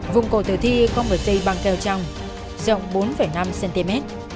vùng cổ thử thi có người tây băng keo trong rộng bốn năm cm